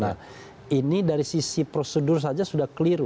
nah ini dari sisi prosedur saja sudah keliru